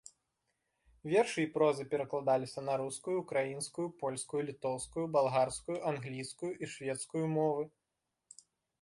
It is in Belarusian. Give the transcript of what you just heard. Вершы і проза перакладаліся на рускую, украінскую, польскую, літоўскую, балгарскую, англійскую і шведскую мовы.